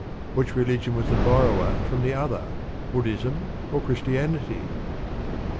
Which religion was the borrower from the other Buddhism or Christianity?